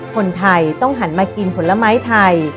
คนไทยต้องหันมากินผลไม้ไทย